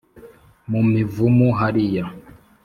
mu mivumu haliya!